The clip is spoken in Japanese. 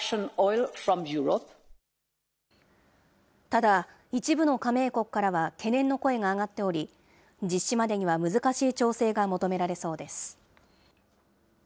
ただ、一部の加盟国からは懸念の声が上がっており、実施までには難しい調整が求められそうです。